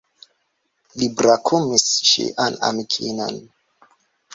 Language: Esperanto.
Li brakumis ŝian amikinon.